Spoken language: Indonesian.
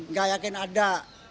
nggak yakin ada